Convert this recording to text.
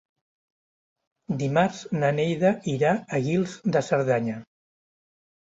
Dimarts na Neida irà a Guils de Cerdanya.